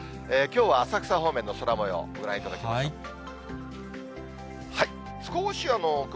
きょうは浅草方面の空もよう、ご覧いただきましょう。